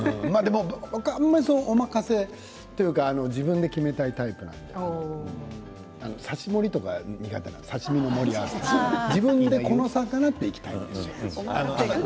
僕はあまりお任せというか自分で決めたいタイプで刺し盛りとか苦手なの刺身の盛り合わせ自分でこの魚といきたいんですよ。